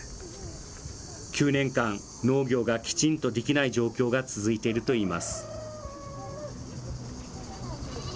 ９年間、農業がきちんとできない状況が続いているといいます。